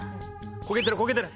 焦げてる焦げてる！